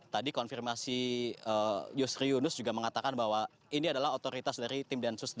jadi konfirmasi yusri yunus juga mengatakan bahwa ini adalah otoritas dari tim densus delapan puluh delapan